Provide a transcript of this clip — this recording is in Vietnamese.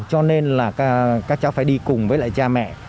cho nên là các cháu phải đi cùng với lại cha mẹ